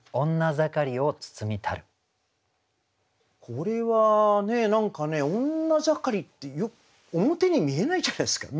これは何か女盛りって表に見えないじゃないですか。